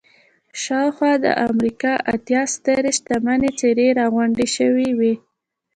شاوخوا د امريکا اتيا سترې شتمنې څېرې را غونډې شوې وې.